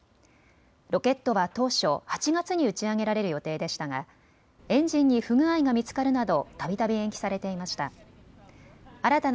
ロケットは当初８月に打ち上げられる予定でしたがエンジンに不具合が見つかるなどたびたび延期されていました。